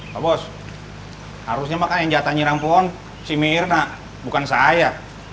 pak bos harusnya mah kan yang jatah nyerang pohon si mirna bukan saya